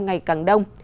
ngày càng đông